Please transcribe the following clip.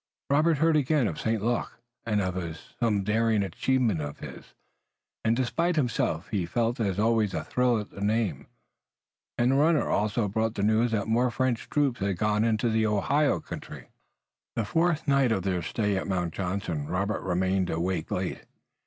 Robert heard again of St. Luc and of some daring achievement of his, and despite himself he felt as always a thrill at the name, and a runner also brought the news that more French troops had gone into the Ohio country. The fourth night of their stay at Mount Johnson Robert remained awake late.